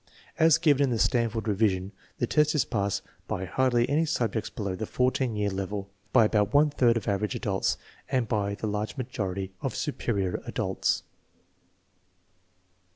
As given in the Stanford revision the test is passed by hardly any subjects below the 14 year level, but by about one third of " average adults " and by the large majority of superior adults."